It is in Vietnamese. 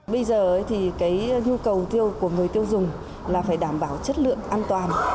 bây giờ thì cái nhu cầu tiêu của người tiêu dùng là phải đảm bảo chất lượng an toàn